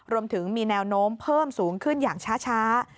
รวมถึงมีแนวโน้มเพิ่มสูงขึ้นอย่างช้า